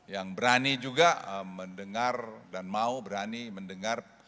yang berani juga mendengar dan mau berani mendengar